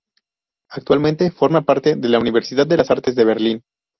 Actualmente forma parte de la Universidad de las Artes de Berlín.